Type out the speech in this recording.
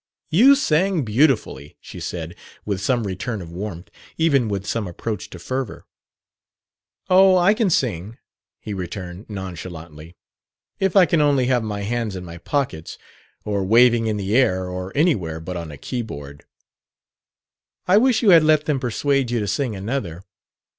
"You sang beautifully," she said, with some return of warmth even with some approach to fervor. "Oh, I can sing," he returned nonchalantly, "if I can only have my hands in my pockets, or waving in the air, or anywhere but on a keyboard." "I wish you had let them persuade you to sing another."